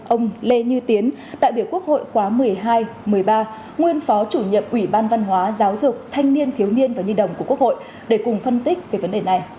ông lê như tiến đại biểu quốc hội khóa một mươi hai một mươi ba nguyên phó chủ nhiệm ủy ban văn hóa giáo dục thanh niên thiếu niên và nhi đồng của quốc hội để cùng phân tích về vấn đề này